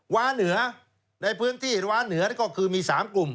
วาเหนือในพื้นที่ว้าเหนือก็คือมี๓กลุ่ม